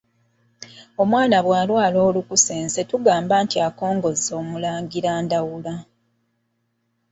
Omwana bw’alwala olukusense tugamba nti akongozze omulangira Ndawula.